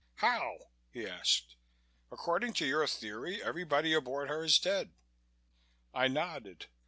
"How?" he asked. "According to your theory, everybody aboard her is dead." I nodded.